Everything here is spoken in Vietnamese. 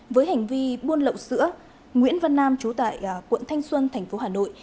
với hành vi buôn lậu sữa nguyễn văn nam trú tại quận thanh xuân thành phố hà nội